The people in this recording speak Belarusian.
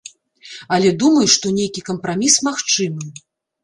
Але думаю, што нейкі кампраміс магчымы.